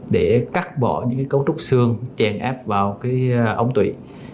để cắt bỏ những cấu trúc xương chèn áp vào cái ống tủy